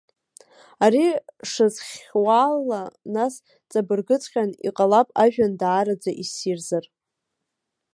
Ари шазхьуала, нас, ҵабыргыҵәҟьан, иҟалап, ажәҩан даараӡа иссирзар!